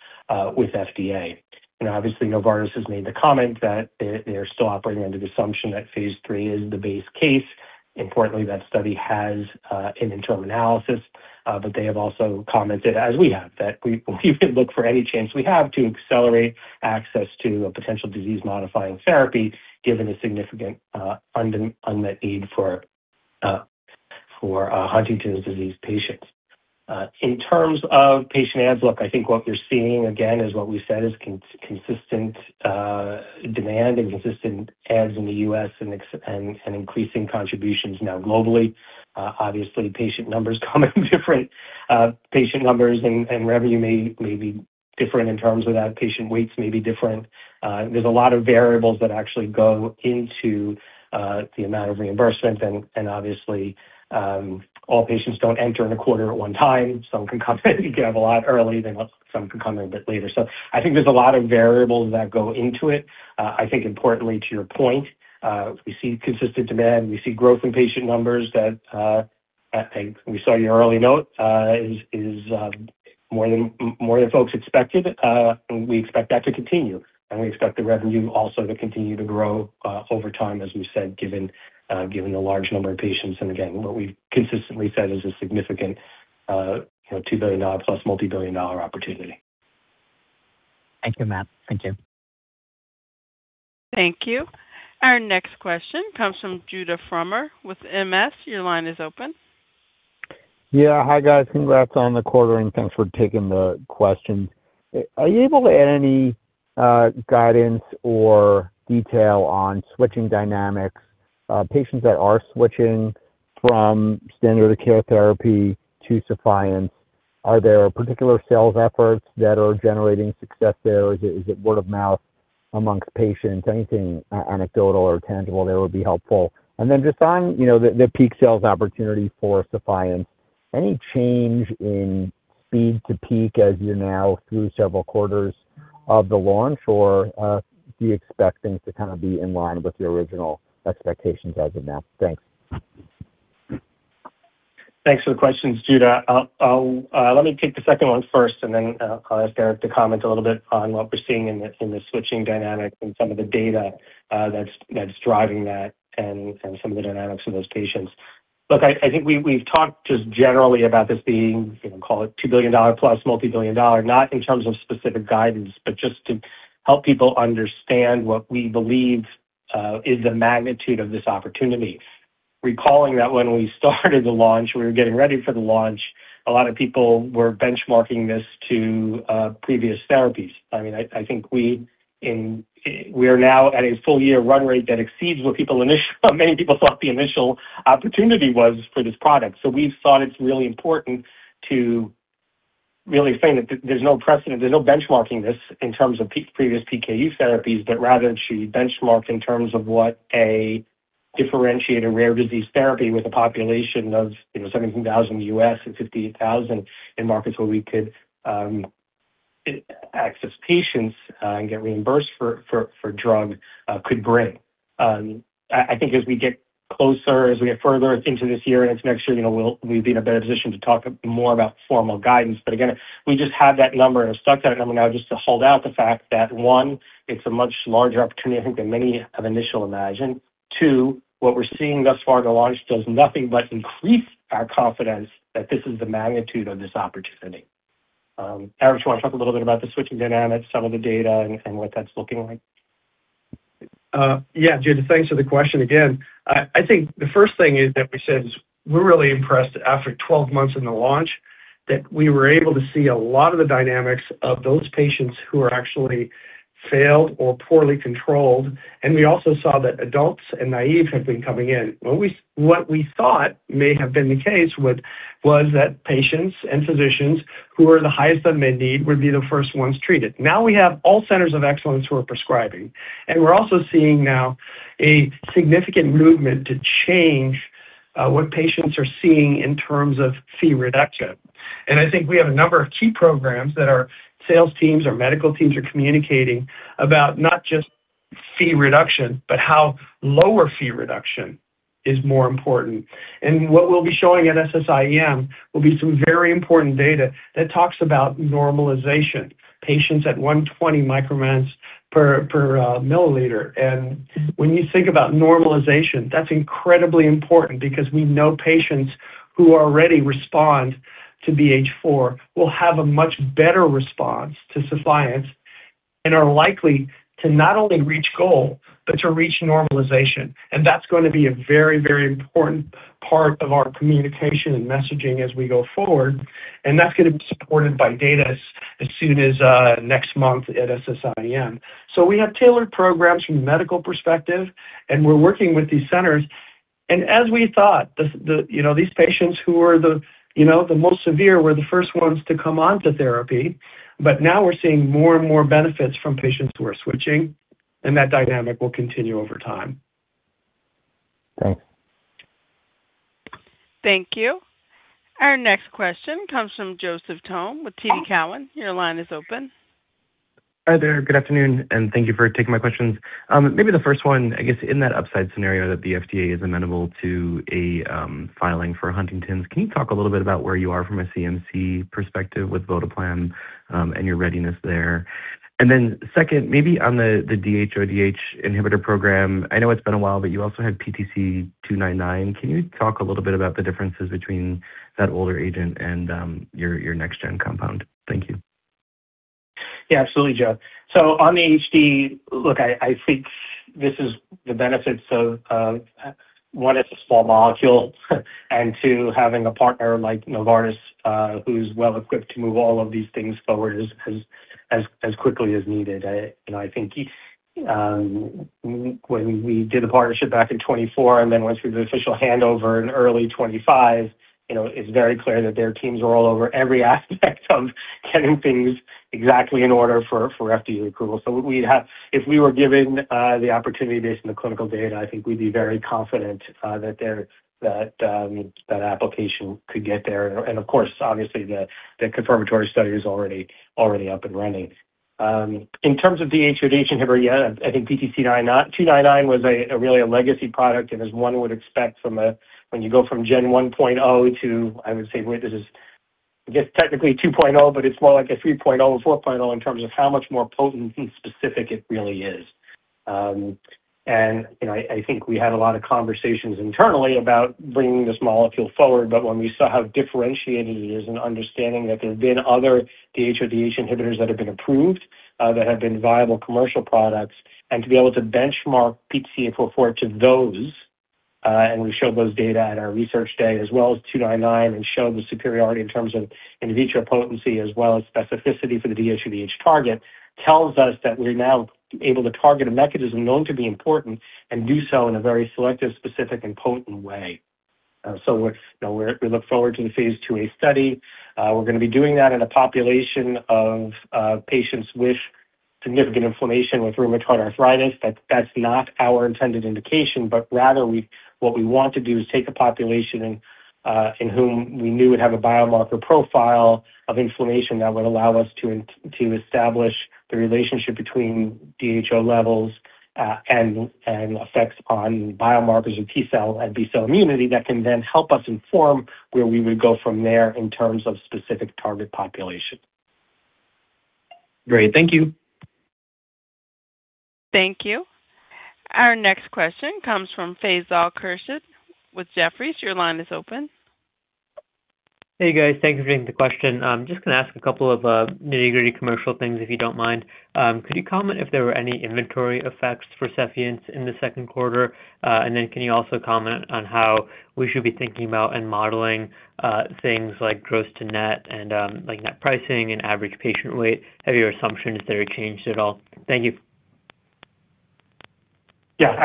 S3: with FDA. Obviously, Novartis has made the comment that they're still operating under the assumption that phase III is the base case. Importantly, that study has an interim analysis, but they have also commented, as we have, that we would look for any chance we have to accelerate access to a potential disease-modifying therapy, given the significant unmet need for Huntington's disease patients. In terms of patient adds, look, I think what we're seeing, again, is what we said is consistent demand and consistent adds in the U.S. and increasing contributions now globally. Obviously, patient numbers coming different. Patient numbers and revenue may be different in terms of that. Patient weights may be different. There's a lot of variables that actually go into the amount of reimbursement. Obviously, all patients don't enter in a quarter at one time. Some can come in a lot early, then some can come in a bit later. I think there's a lot of variables that go into it. I think importantly to your point, we see consistent demand. We see growth in patient numbers that we saw in your early note is more than folks expected. We expect that to continue, and we expect the revenue also to continue to grow over time, as we've said, given the large number of patients and again, what we've consistently said is a significant $2 billion plus multibillion-dollar opportunity.
S11: Thank you, Matt. Thank you.
S1: Thank you. Our next question comes from Judah Frommer with MS. Your line is open.
S12: Yeah. Hi, guys. Congrats on the quarter, and thanks for taking the questions. Are you able to add any guidance or detail on switching dynamics, patients that are switching from standard of care therapy to Sephience? Are there particular sales efforts that are generating success there? Is it word of mouth amongst patients? Anything anecdotal or tangible there would be helpful. Just on the peak sales opportunity for Sephience, any change in speed to peak as you're now through several quarters of the launch, or do you expect things to kind of be in line with your original expectations as of now? Thanks.
S3: Thanks for the questions, Judah. Let me take the second one first, and then I'll ask Eric to comment a little bit on what we're seeing in the switching dynamics and some of the data that's driving that and some of the dynamics in those patients. Look, I think we've talked just generally about this being, call it, $2 billion plus, multi-billion dollar, not in terms of specific guidance, but just to help people understand what we believe is the magnitude of this opportunity. Recalling that when we started the launch, we were getting ready for the launch, a lot of people were benchmarking this to previous therapies. I think we are now at a full year run rate that exceeds what many people thought the initial opportunity was for this product. We thought it's really important to really say that there's no benchmarking this in terms of previous PKU therapies, rather it should be benchmarked in terms of what a differentiated rare disease therapy with a population of 17,000 in the U.S. and 58,000 in markets where we could access patients and get reimbursed for drug could bring. I think as we get further into this year and into next year, we'll be in a better position to talk more about formal guidance. Again, we just have that number, and have stuck to that number now just to hold out the fact that, one, it's a much larger opportunity, I think, than many have initially imagined. Two, what we're seeing thus far in the launch does nothing but increase our confidence that this is the magnitude of this opportunity. Eric, do you want to talk a little bit about the switching dynamics, some of the data, and what that's looking like?
S4: Yeah, Judah, thanks for the question again. I think the first thing is that we said is we're really impressed after 12 months in the launch that we were able to see a lot of the dynamics of those patients who are actually failed or poorly controlled. We also saw that adults and naive have been coming in. What we thought may have been the case was that patients and physicians who are the highest unmet need would be the first ones treated. Now we have all centers of excellence who are prescribing, and we're also seeing now a significant movement to change what patients are seeing in terms of Phe reduction. I think we have a number of key programs that our sales teams, our medical teams are communicating about not just Phe reduction, but how lower Phe reduction is more important. What we'll be showing at SSIEM will be some very important data that talks about normalization, patients at 120 micromoles per milliliter. When you think about normalization, that's incredibly important because we know patients who already respond to BH4 will have a much better response to Sephience and are likely to not only reach goal, but to reach normalization. That's going to be a very, very important part of our communication and messaging as we go forward. That's going to be supported by data as soon as next month at SSIEM. We have tailored programs from a medical perspective, and we're working with these centers. As we thought, these patients who were the most severe were the first ones to come on to therapy. Now we're seeing more and more benefits from patients who are switching, and that dynamic will continue over time.
S12: Thanks.
S1: Thank you. Our next question comes from Joseph Thome with TD Cowen. Your line is open.
S13: Hi there. Good afternoon, thank you for taking my questions. Maybe the first one, I guess, in that upside scenario that the FDA is amenable to a filing for Huntington's, can you talk a little bit about where you are from a CMC perspective with votoplam and your readiness there? Then second, maybe on the DHODH inhibitor program. I know it's been a while, but you also had PTC299. Can you talk a little bit about the differences between that older agent and your next gen compound? Thank you.
S3: Yeah, absolutely, Joe. On the HD, look, I think this is the benefits of, one, it's a small molecule, two, having a partner like Novartis who's well-equipped to move all of these things forward as quickly as needed. I think when we did the partnership back in 2024, then went through the official handover in early 2025, it's very clear that their teams are all over every aspect of getting things exactly in order for FDA approval. If we were given the opportunity based on the clinical data, I think we'd be very confident that that application could get there. Of course, obviously, the confirmatory study is already up and running. In terms of DHODH inhibitor, yeah, I think PTC299 was really a legacy product. As one would expect from a when you go from Gen 1.0 to, I would say this is I guess technically 2.0, but it's more like a 3.0 or 4.0 in terms of how much more potent and specific it really is. I think we had a lot of conversations internally about bringing this molecule forward, when we saw how differentiated it is and understanding that there have been other DHODH inhibitors that have been approved, that have been viable commercial products, to be able to benchmark PTC844 to those, we showed those data at our Research Day as well as PTC299 and showed the superiority in terms of in vitro potency as well as specificity for the DHODH target tells us that we're now able to target a mechanism known to be important and do so in a very selective, specific and potent way. We look forward to the phase IIa study. We're going to be doing that in a population of patients with significant inflammation with rheumatoid arthritis. That's not our intended indication, but rather what we want to do is take a population in whom we knew would have a biomarker profile of inflammation that would allow us to establish the relationship between DHO levels and effects on biomarkers of T-cell and B-cell immunity that can then help us inform where we would go from there in terms of specific target population.
S13: Great. Thank you.
S1: Thank you. Our next question comes from Faisal Khurshid with Jefferies. Your line is open.
S14: Hey, guys. Thank you for taking the question. Just going to ask a couple of nitty-gritty commercial things, if you don't mind. Could you comment if there were any inventory effects for Sephience in the second quarter? Can you also comment on how we should be thinking about and modeling things like gross to net and net pricing and average patient weight? Have your assumptions there changed at all? Thank you.
S3: Yeah.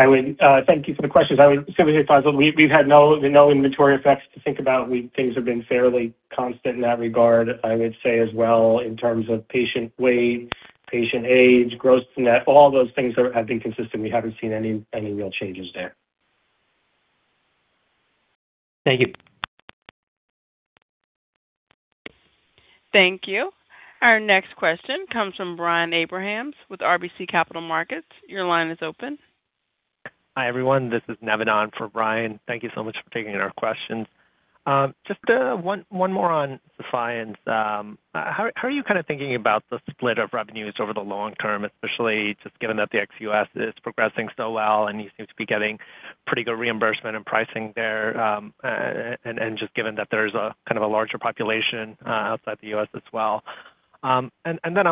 S3: Thank you for the question. I would say, Faisal, we've had no inventory effects to think about. Things have been fairly constant in that regard. I would say as well, in terms of patient weight, patient age, gross to net, all those things have been consistent. We haven't seen any real changes there.
S14: Thank you.
S1: Thank you. Our next question comes from Brian Abrahams with RBC Capital Markets. Your line is open.
S15: Hi, everyone. This is Nevin Varghese for Brian. Thank you so much for taking our questions. Just one more on Sephience. How are you thinking about the split of revenues over the long term, especially just given that the ex-U.S. is progressing so well and you seem to be getting pretty good reimbursement and pricing there, and just given that there's a larger population outside the U.S. as well? I'm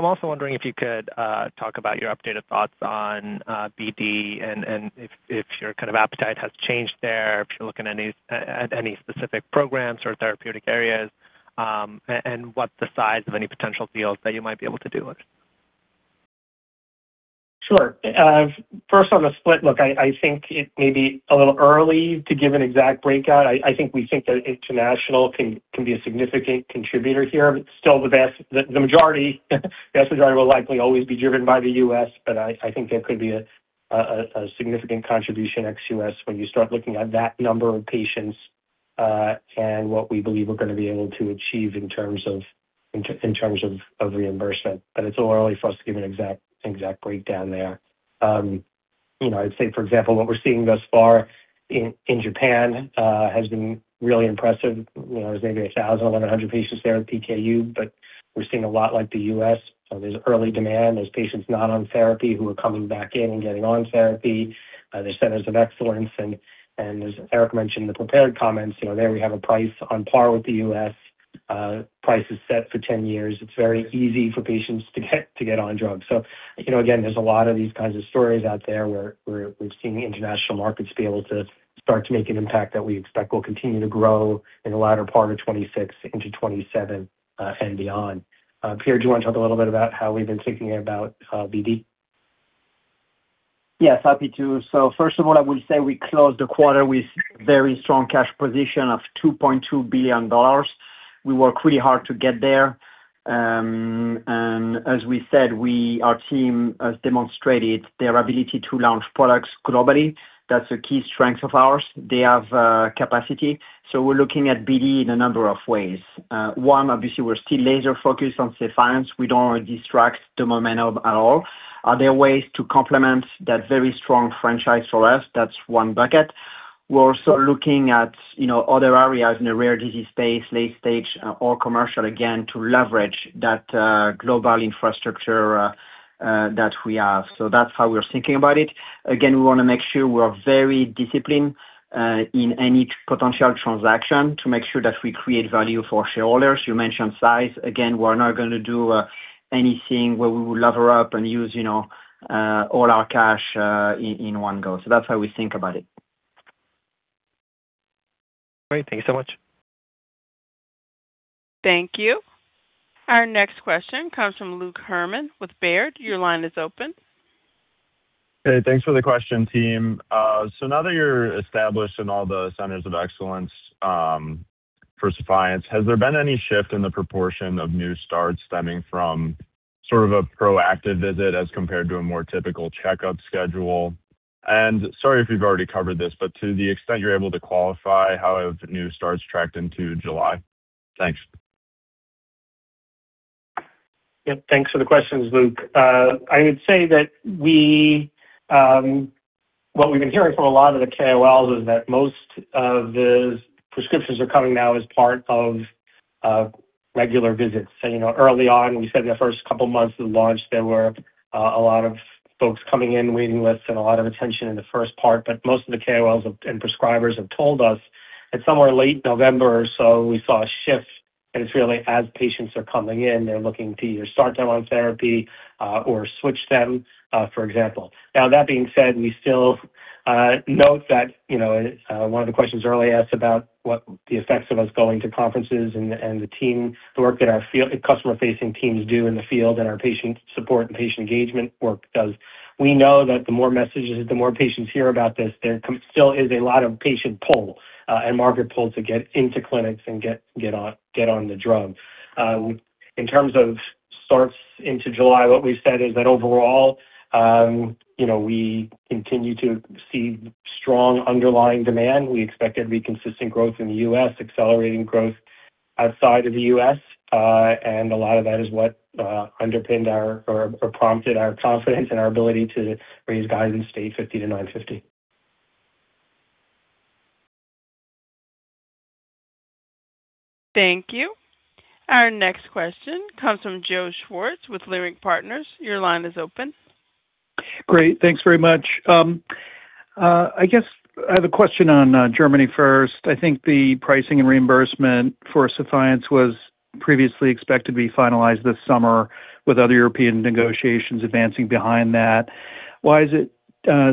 S15: also wondering if you could talk about your updated thoughts on BD and if your appetite has changed there, if you're looking at any specific programs or therapeutic areas, and what the size of any potential deals that you might be able to do is.
S3: Sure. First on the split, look, I think it may be a little early to give an exact breakout. I think we think that international can be a significant contributor here, but still the majority will likely always be driven by the U.S. I think there could be a significant contribution ex-U.S. when you start looking at that number of patients, and what we believe we're going to be able to achieve in terms of reimbursement. But it's a little early for us to give an exact breakdown there. I'd say, for example, what we're seeing thus far in Japan has been really impressive. There's maybe 1,000 or 1,100 patients there with PKU, but we're seeing a lot like the U.S. There's early demand. There's patients not on therapy who are coming back in and getting on therapy. There's centers of excellence and, as Eric mentioned in the prepared comments, there we have a price on par with the U.S. Price is set for 10 years. It's very easy for patients to get on drugs. Again, there's a lot of these kinds of stories out there where we've seen the international markets be able to start to make an impact that we expect will continue to grow in the latter part of 2026 into 2027, and beyond. Pierre, do you want to talk a little bit about how we've been thinking about BD?
S5: Yes, happy to. First of all, I will say we closed the quarter with very strong cash position of $2.2 billion. We worked really hard to get there. As we said, our team has demonstrated their ability to launch products globally. That's a key strength of ours. They have capacity. We're looking at BD in a number of ways. One, obviously, we're still laser-focused on Sephience. We don't want to distract the momentum at all. Are there ways to complement that very strong franchise for us? That's one bucket. We're also looking at other areas in the rare disease space, late stage or commercial, again, to leverage that global infrastructure that we have. That's how we're thinking about it. Again, we want to make sure we are very disciplined in any potential transaction to make sure that we create value for shareholders. You mentioned size. Again, we are not going to do anything where we will lever up and use all our cash in one go. That's how we think about it.
S15: Great. Thank you so much.
S1: Thank you. Our next question comes from Luke Herrmann with Baird. Your line is open.
S16: Hey, thanks for the question, team. Now that you're established in all the centers of excellence for Sephience, has there been any shift in the proportion of new starts stemming from sort of a proactive visit as compared to a more typical checkup schedule? Sorry if you've already covered this, but to the extent you're able to quantify how new starts tracked into July. Thanks.
S3: Yep. Thanks for the questions, Luke. I would say that what we've been hearing from a lot of the KOLs is that most of the prescriptions are coming now as part of regular visits. Early on, we said the first couple of months of the launch, there were a lot of folks coming in, waiting lists, and a lot of attention in the first part. Most of the KOLs and prescribers have told us that somewhere late November or so, we saw a shift, and it's really as patients are coming in, they're looking to either start them on therapy, or switch them, for example. Now, that being said, we still note that one of the questions earlier asked about what the effects of us going to conferences and the work that our customer-facing teams do in the field and our patient support and patient engagement work does. We know that the more messages, the more patients hear about this, there still is a lot of patient pull and market pull to get into clinics and get on the drug. In terms of starts into July, what we've said is that overall, we continue to see strong underlying demand. We expect there to be consistent growth in the U.S., accelerating growth outside of the U.S., and a lot of that is what underpinned or prompted our confidence and our ability to raise guidance to $8.50-$9.50.
S1: Thank you. Our next question comes from Joe Schwartz with Leerink Partners. Your line is open.
S17: Great. Thanks very much. I guess I have a question on Germany first. I think the pricing and reimbursement for Sephience was previously expected to be finalized this summer with other European negotiations advancing behind that. Why is it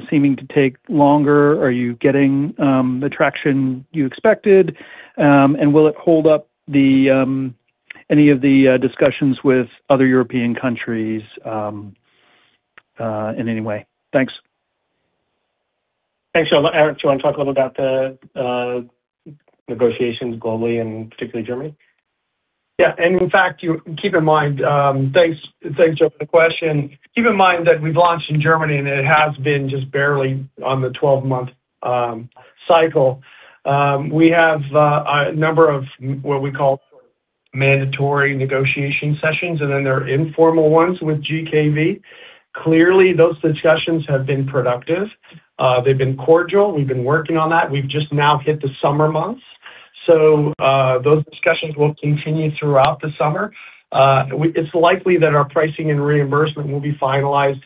S17: seeming to take longer? Are you getting the traction you expected? Will it hold up any of the discussions with other European countries in any way? Thanks.
S3: Thanks, Joe. Eric, do you want to talk a little about the negotiations globally and particularly Germany?
S4: Thanks, Joe, for the question. Keep in mind that we've launched in Germany, and it has been just barely on the 12-month cycle. We have a number of what we call mandatory negotiation sessions, and then there are informal ones with GKV. Clearly, those discussions have been productive. They've been cordial. We've been working on that. We've just now hit the summer months. Those discussions will continue throughout the summer. It's likely that our pricing and reimbursement will be finalized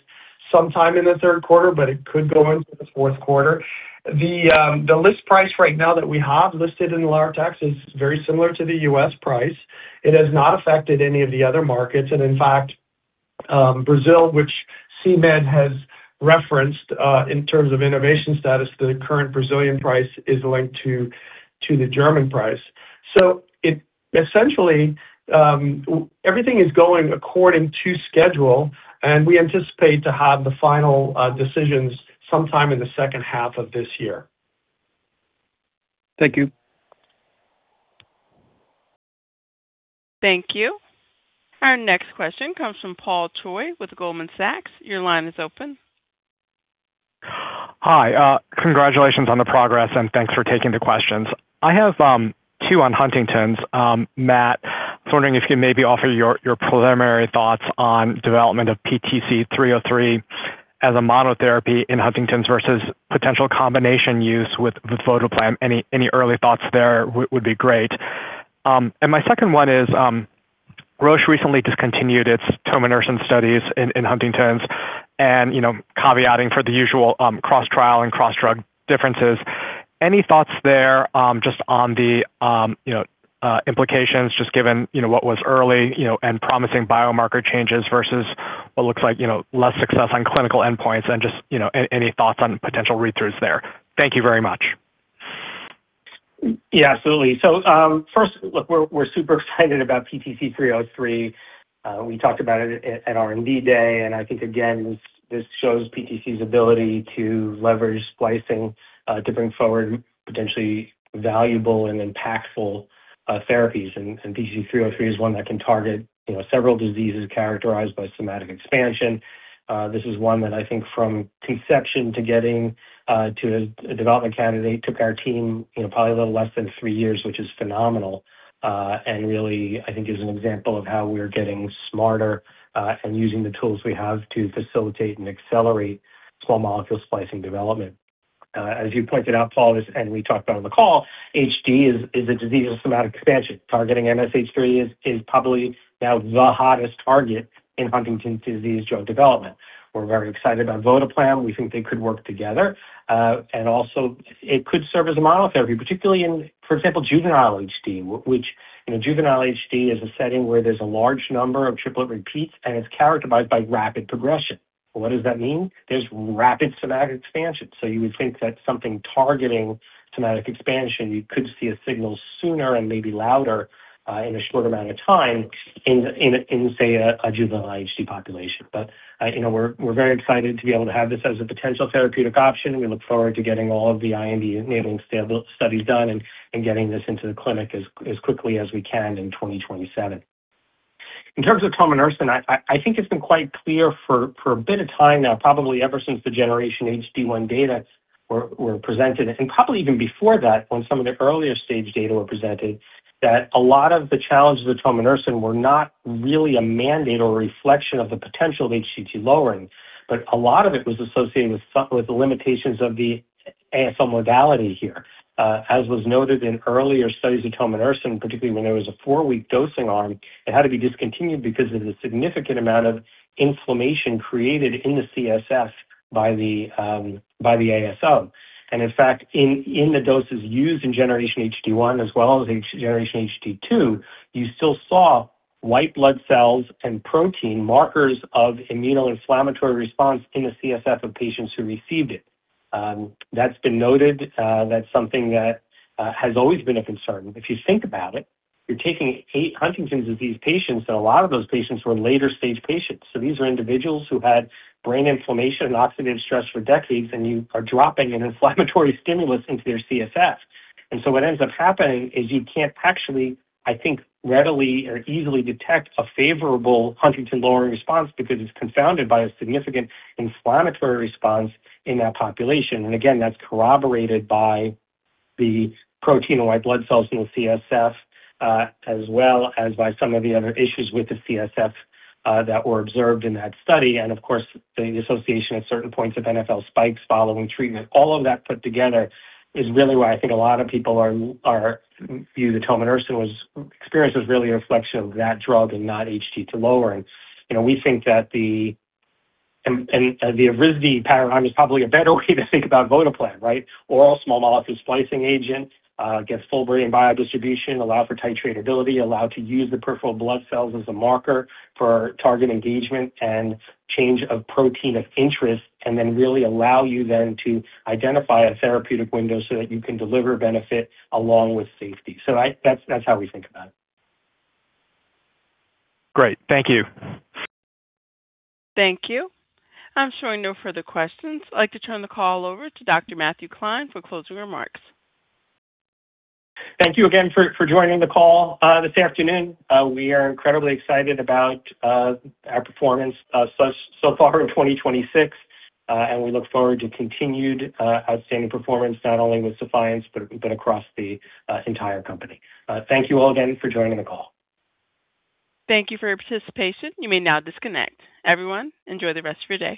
S4: sometime in the third quarter, but it could go into the fourth quarter. The list price right now that we have listed in the Lauer-Taxe is very similar to the U.S. price. It has not affected any of the other markets. In fact, Brazil, which CMED has referenced in terms of innovation status, the current Brazilian price is linked to the German price. Essentially, everything is going according to schedule, and we anticipate to have the final decisions sometime in the second half of this year.
S17: Thank you.
S1: Thank you. Our next question comes from Paul Choi with Goldman Sachs. Your line is open.
S18: Hi. Congratulations on the progress, thanks for taking the questions. I have two on Huntington's. Matt, I was wondering if you'd maybe offer your preliminary thoughts on development of PTC303 as a monotherapy in Huntington's versus potential combination use with votoplam. Any early thoughts there would be great. My second one is, Roche recently discontinued its tominersen studies in Huntington's caveating for the usual cross-trial and cross-drug differences. Any thoughts there just on the implications, just given what was early and promising biomarker changes versus what looks like less success on clinical endpoints and just any thoughts on potential read-throughs there? Thank you very much.
S3: Yeah, absolutely. First, look, we're super excited about PTC303. We talked about it at R&D Day, and I think, again, this shows PTC's ability to leverage splicing to bring forward potentially valuable and impactful therapies. PTC303 is one that can target several diseases characterized by somatic expansion. This is one that I think from conception to getting to a development candidate took our team probably a little less than three years, which is phenomenal. Really, I think is an example of how we're getting smarter and using the tools we have to facilitate and accelerate small molecule splicing development. As you pointed out, Paul, and we talked about on the call, HD is a disease of somatic expansion. Targeting MSH3 is probably now the hottest target in Huntington's disease drug development. We're very excited about votoplam. We think they could work together. Also it could serve as a monotherapy, particularly in, for example, juvenile HD. Juvenile HD is a setting where there's a large number of triplet repeats, and it's characterized by rapid progression. What does that mean? There's rapid somatic expansion. You would think that something targeting somatic expansion, you could see a signal sooner and maybe louder in a short amount of time in, say, a juvenile HD population. We're very excited to be able to have this as a potential therapeutic option. We look forward to getting all of the IND-enabling studies done and getting this into the clinic as quickly as we can in 2027. In terms of tominersen, I think it's been quite clear for a bit of time now, probably ever since the GENERATION HD1 data were presented, and probably even before that when some of the earlier stage data were presented, that a lot of the challenges with tominersen were not really a mandate or reflection of the potential of HTT lowering, but a lot of it was associated with the limitations of the ASO modality here. As was noted in earlier studies of tominersen, particularly when there was a 4-week dosing arm, it had to be discontinued because of the significant amount of inflammation created in the CSF by the ASO. In fact, in the doses used in GENERATION HD1 as well as GENERATION HD2, you still saw white blood cells and protein markers of immunoinflammatory response in the CSF of patients who received it. That's been noted. That is something that has always been a concern. If you think about it, you're taking eight Huntington's disease patients, and a lot of those patients were later-stage patients. These are individuals who had brain inflammation and oxidative stress for decades, you are dropping an inflammatory stimulus into their CSF. What ends up happening is you can't actually, I think, readily or easily detect a favorable HTT lowering response because it's confounded by a significant inflammatory response in that population. Again, that's corroborated by the protein and white blood cells in the CSF as well as by some of the other issues with the CSF that were observed in that study. Of course, the association of certain points of NfL spikes following treatment. All of that put together is really why I think a lot of people view the tominersen experience as really a reflection of that drug and not HTT lowering. We think that the Ariadne paradigm is probably a better way to think about votoplam, right? Oral small molecule splicing agent, gets full brain biodistribution, allow for titratability, allow to use the peripheral blood cells as a marker for target engagement and change of protein of interest, and then really allow you then to identify a therapeutic window so that you can deliver benefit along with safety. That's how we think about it.
S18: Great. Thank you.
S1: Thank you. I'm showing no further questions. I'd like to turn the call over to Dr. Matthew Klein for closing remarks.
S3: Thank you again for joining the call this afternoon. We are incredibly excited about our performance so far in 2026. We look forward to continued outstanding performance, not only with Sephience but across the entire company. Thank you all again for joining the call.
S1: Thank you for your participation. You may now disconnect. Everyone, enjoy the rest of your day.